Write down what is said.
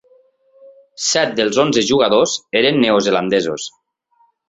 Set dels onze jugadors eren neozelandesos.